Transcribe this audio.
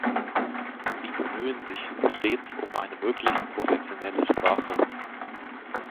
Sie bemühen sich stets um eine möglichst professionelle Sprache.